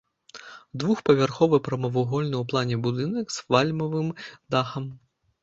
Двухпавярховы прамавугольны ў плане будынак з вальмавым дахам.